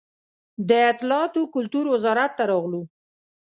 د اطلاعات و کلتور وزارت ته راغلو.